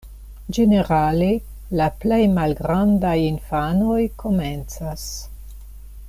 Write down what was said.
Ĝenerale la plej malgrandaj infanoj komencas.